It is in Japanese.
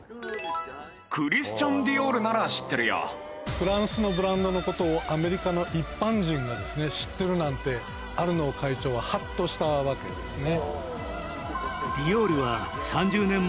フランスのブランドのことをアメリカの一般人が知ってるなんてアルノー会長ははっとしたわけですね。